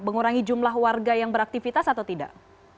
mengurangi jumlah warga yang beraktivitas atau tidak